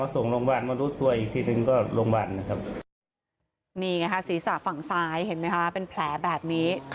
นี่ไงค่ะศีรษะฝั่งซ้ายเห็นไหมคะเป็นแผลแบบนี้